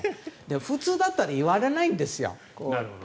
普通だったら言われないんですよ。